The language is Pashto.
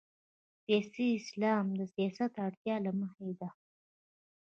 سیاسي اسلام د سیاست اړتیا له مخې ده.